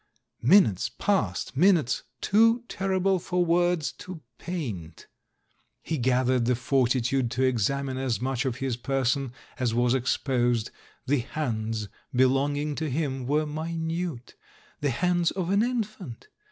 Min utes passed, minutes too terrible for words to paint. He gathered the fortitude to examine as much of his person as was exposed: the hands belonging to him were minute, the hands of an infant!